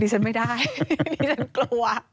ฉันไม่ได้นี่ฉันกลัว